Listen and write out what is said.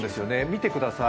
見てください。